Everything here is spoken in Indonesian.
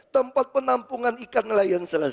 tempat penampungan ikan nelayan selesai